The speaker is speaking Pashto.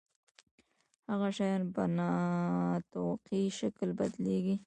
هغه شیان په نا توقعي شکل بدلیږي.